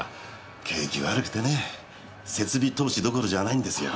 景気悪くてね設備投資どころじゃないんですよ。